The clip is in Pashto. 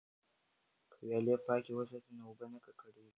که ویالې پاکې وساتو نو اوبه نه ککړیږي.